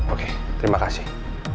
oke terima kasih